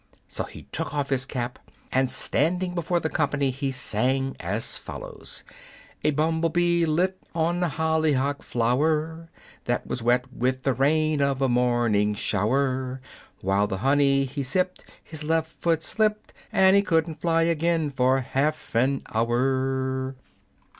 So he took off his cap, and standing before the company he sang as follows: "A bumble bee lit on a hollyhock flower That was wet with the rain of a morning shower. While the honey he sipped His left foot slipped, And he couldn't fly again for half an hour!"